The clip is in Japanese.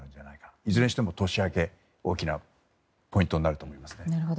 いずれにしても年明けが大きなポイントになりますね。